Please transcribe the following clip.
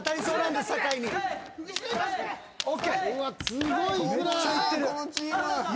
すごいよ。